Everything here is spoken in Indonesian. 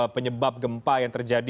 penyebab gempa yang terjadi